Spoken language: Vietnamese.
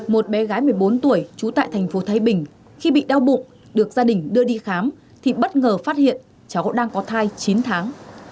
một bé gái một mươi bốn tuổi trú tại thành phố thái bình khi bị đau bụng được gia đình đưa đi khám thì bất ngờ phát hiện cháu đang có thai chín tháng